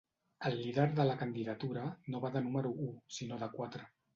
El líder de la candidatura no va de número u sinó de quatre.